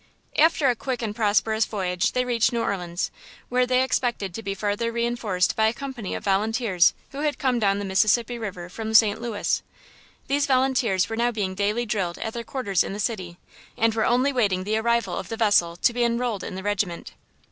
After a quick and prosperous voyage they reached New Orleans, where they expected to be farther reinforced by a company of volunteers who had come down the Mississippi River from St. Louis. These volunteers were now being daily drilled at their quarters in the city, and were only waiting the arrival of the vessel to be enrolled in the regiment.